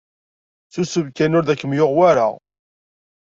Susem kan ur d kem-yuɣ wara.